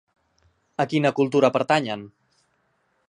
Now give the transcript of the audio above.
A quina cultura pertanyen?